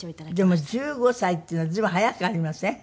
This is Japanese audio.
でも１５歳っていうのは随分早くありません？